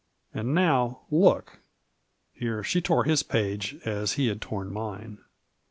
And now — ^look 1 ^ (Here she tore his page as he had torn mine.)